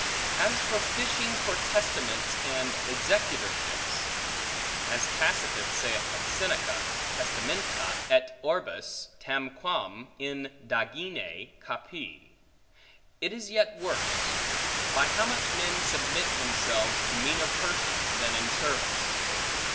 As for fishing for testaments and executorships (as Tacitus saith of Seneca, testamenta et orbos tamquam indagine capi), it is yet worse; by how much men submit themselves to meaner persons, than in service.